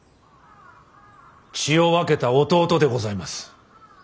血を分けた弟でございます。